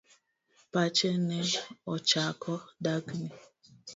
Pache ne ochako dang'ni.